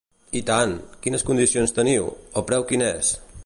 I tant, quines condicions teniu, el preu quin és?